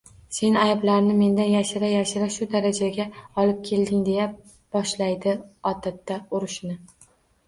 Sen ayblarini mendan yashira-yashira shu darajagacha olib kelding, deya boshlaydi odatda urishishni